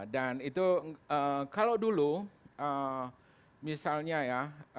dan itu kalau dulu misalnya ya